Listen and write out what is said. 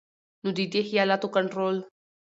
نو د دې خيالاتو کنټرول